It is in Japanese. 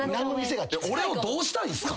俺をどうしたいんすか？